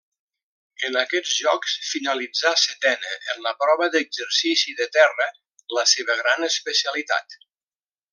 En aquests Jocs finalitzà setena en la prova d'exercici de terra, la seva gran especialitat.